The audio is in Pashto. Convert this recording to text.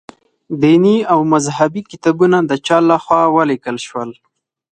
دیني او مذهبي کتابونه د چا له خوا ولیکل شول.